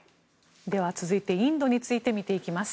では、続いてインドについて見ていきます。